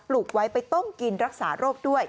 ลูกไว้ไปต้มกินรักษาโรคด้วย